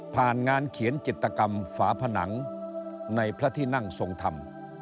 งานเขียนจิตกรรมฝาผนังในพระที่นั่งทรงธรรม